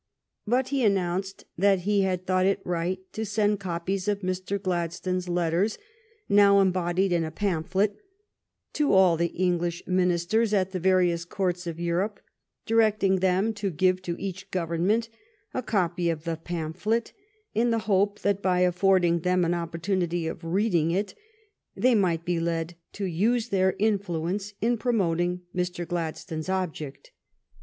But he announced that he had thought it right to send copies of Mr. Gladstone's letters, now embodied in a pamphlet, to all the English Ministers at the various courts of Europe, directing them to give to each Gov ernment a copy of the pamphlet, in the hope that, by affording them an opportunity of reading it, they might be led to use their influence in promoting Mr. Gladstone's object.